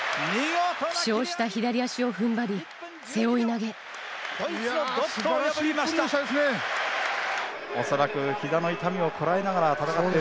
負傷した左足をふんばり、すばらしい。